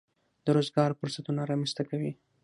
د روزګار فرصتونه رامنځته کوي.